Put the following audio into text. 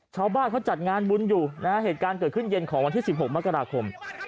ชาวบ้านเขาจัดงานบุญอยู่นะฮะเหตุการณ์เกิดขึ้นเย็นของวันที่๑๖มกราคม